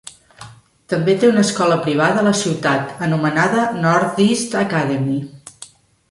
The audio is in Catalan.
També té una escola privada a la ciutat, anomenada Northeast Academy.